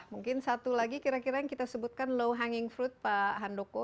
mungkin satu lagi kira kira yang kita sebutkan low hanging fruit pak handoko